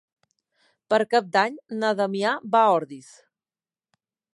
Per Cap d'Any na Damià va a Ordis.